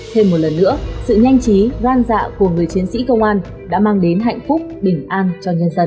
thêm một lần nữa sự nhanh trí gan dạ của người chiến sĩ công an đã mang đến hạnh phúc bình an cho nhân dân